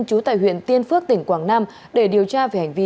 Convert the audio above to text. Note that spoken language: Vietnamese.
trú tại huyện tiên phước tỉnh quảng nam để điều tra về hành vi